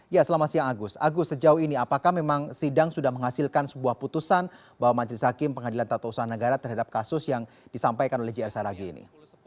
ya selamat siang agus agus sejauh ini apakah memang sidang sudah menghasilkan sebuah putusan bahwa majelis hakim pengadilan tata usaha negara terhadap kasus yang disampaikan oleh jr saragi ini